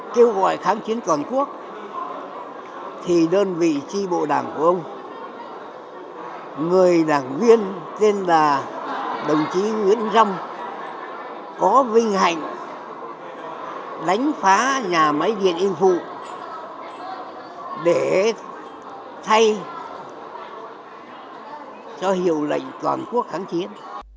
nếu gọi kháng chiến toàn quốc thì đơn vị tri bộ đảng của ông người đảng viên tên là đồng chí nguyễn râm có vinh hạnh đánh phá nhà máy điện yên phụ để thay cho hiệu lệnh toàn quốc kháng chiến